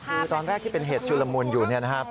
คือตอนแรกที่เป็นเหตุชุลมุนอยู่เนี่ยนะครับ